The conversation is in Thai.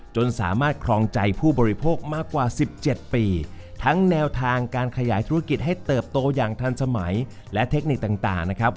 จนสามารถครองใจผู้บริโภคมากกว่า๑๗ปีทั้งแนวทางการขยายธุรกิจให้เติบโตอย่างทันสมัยและเทคนิคต่างนะครับ